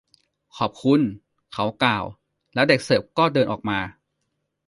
ขอบคุณ เขากล่าว แล้วเด็กเสิร์ฟก็เดินออกมา